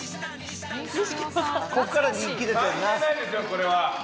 これは。